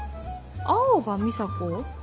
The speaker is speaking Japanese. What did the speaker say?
青葉美砂子？